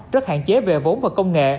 rất hạn chế về vốn và công nghệ